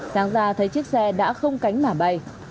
sáng ra thấy chiếc xe đã không cánh mà bay